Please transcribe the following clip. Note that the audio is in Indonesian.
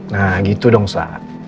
nah gitu dong sa